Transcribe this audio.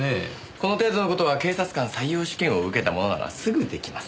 この程度の事は警察官採用試験を受けた者ならすぐ出来ます。